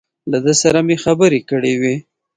له ده سره مې خبرې کړې وې.